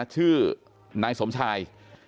ชื่อนายสมชาย